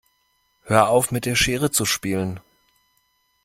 Hör auf, mit der Schere zu spielen!